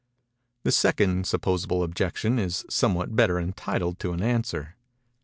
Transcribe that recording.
The second supposable objection is somewhat better entitled to an answer.